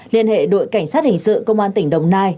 liên hệ đội cảnh sát hình sự công an tỉnh đồng nai